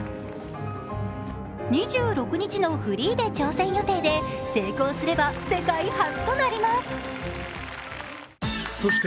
２６日のフリーで挑戦予定で、成功すれば世界初となります。